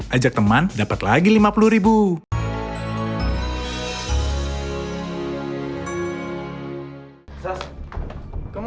ajak teman dapat lagi lima puluh ribu